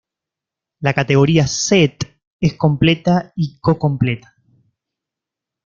La categoría Set es completa y co-completa.